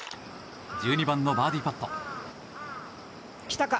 １２番のバーディーパット。